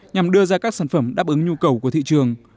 nhằm đưa ra các sản phẩm đáp ứng nhu cầu của thị trường